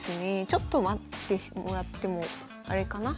ちょっと待ってもらってもあれかな？